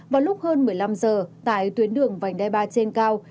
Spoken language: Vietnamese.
vào lúc hơn một mươi năm giờ tại tuyến đường vành đai ba trên cao